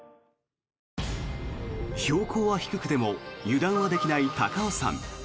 標高は低くても油断はできない高尾山。